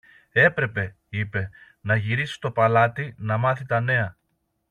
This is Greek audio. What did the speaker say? Έπρεπε, είπε, να γυρίσει στο παλάτι, να μάθει τα νέα.